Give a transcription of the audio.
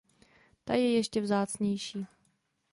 Ta je ještě vzácnější.